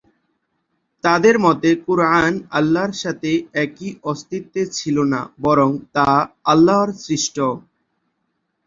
তাদের মতে কুরআন আল্লাহর সাথে একই অস্তিত্বে ছিল না বরং তা আল্লাহর সৃষ্ট।